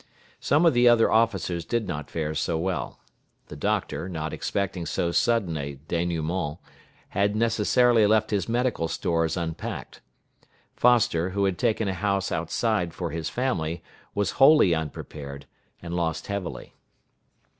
Some of the other officers did not fare so well. The doctor, not expecting so sudden a dénouement, had necessarily left his medical stores unpacked. Foster, who had taken a house outside for his family, was wholly unprepared, and lost heavily.